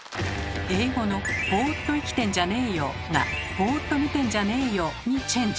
英語の「ボーっと生きてんじゃねーよ」が「ボーっと見てんじゃねーよ」にチェンジ。